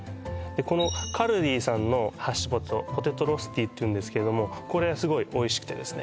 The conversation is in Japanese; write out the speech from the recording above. このカルディさんのハッシュポテトポテトロスティっていうんですけどもこれスゴいおいしくてですね